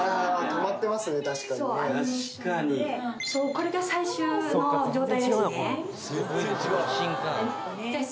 これが最終の状態ですね。